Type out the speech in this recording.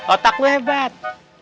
otak lu hebat